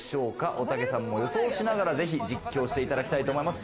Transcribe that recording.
おたけさんも予想しながら、ぜひ実況していただきたいと思います。